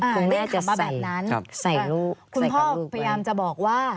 ของแม่ถามมาแบบนั้น